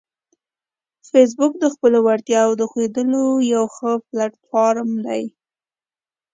فېسبوک د خپلو وړتیاوو د ښودلو یو ښه پلیټ فارم دی